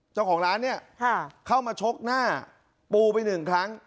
เจ้าของร้านเนี่ยเข้ามาชกหน้าปูไปหนึ่งครั้ง